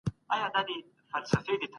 د توکم او خاندان حجامت کي نور اړخونه نه سته.